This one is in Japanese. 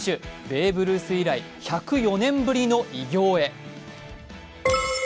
ベーブ・ルース以来１０４年目の偉業へ。